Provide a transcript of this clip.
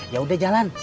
ya udah jalan